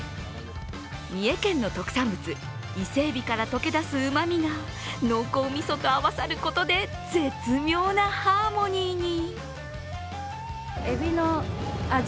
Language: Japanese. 三重県の特産物もイセエビから溶け出すうまみが濃厚みそと合わさることで絶妙なハーモニーに。